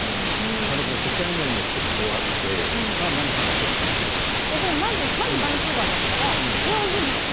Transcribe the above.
ただ初対面の人と会ってまずバンクーバーだったら、日本人ですか？